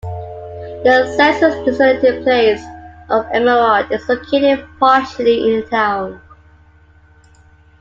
The census-designated place of Emerald is located partially in the town.